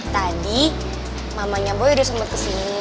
tadi mamanya boy udah sempet ke sini